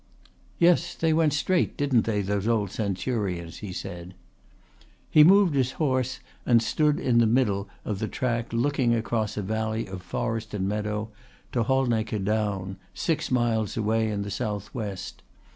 "Yes. They went straight, didn't they, those old centurions?" he said. He moved his horse and stood in the middle of the track looking across a valley of forest and meadow to Halnaker Down, six miles away in the southwest.